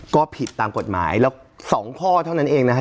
ก็ผิดตามกฎหมายแล้ว๒ข้อเท่านั้นเองนะครับ